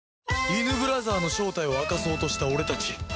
イヌブラザーの正体を明かそうとした俺たち